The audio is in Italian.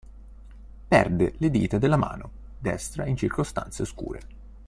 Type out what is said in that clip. Perde le dita della mano destra in circostanze oscure.